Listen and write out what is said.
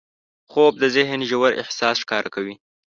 خوب د ذهن ژور احساس ښکاره کوي